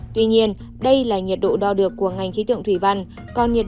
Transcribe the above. tuy nhiên đây là nhiệt độ đo được của ngành khí tượng thủy văn nhiệt